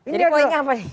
jadi poinnya apa nih